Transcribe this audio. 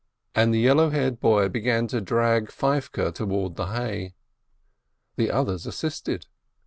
and the yellow haired boy began to drag Feivke towards the hay. The others assisted.